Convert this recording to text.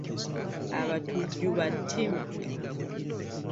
Abatujju battima